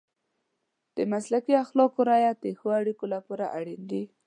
د مسلکي اخلاقو رعایت د ښه اړیکو لپاره اړین دی.